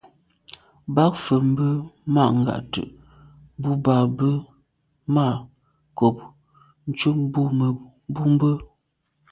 Bə̌k fə̀ mbə́ má ngǎtə̀' bû bá bə̌ má kòb ncúp bú mbə̄.